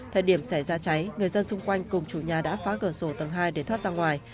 thời điểm xảy ra cháy người dân xung quanh cùng chủ nhà đã phá cửa sổ tầng hai để thoát ra ngoài